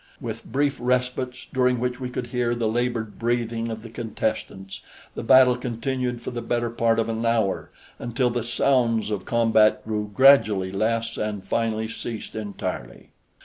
With brief respites, during which we could hear the labored breathing of the contestants, the battle continued for the better part of an hour until the sounds of combat grew gradually less and finally ceased entirely.